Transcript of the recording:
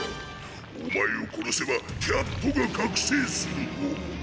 お前を殺せばキャットが覚醒すると。